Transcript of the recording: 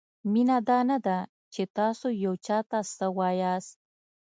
مینه دا نه ده؛ چې تاسو یو چاته څه وایاست؛